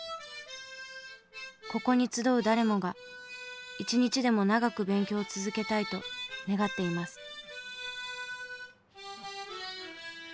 ここに集う誰もが一日でも長く勉強を続けたいと願っています。